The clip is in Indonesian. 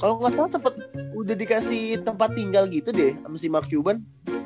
kalo gak salah sempet udah dikasih tempat tinggal gitu deh sama si mark cuban